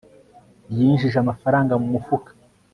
yinjije amafaranga mu mufuka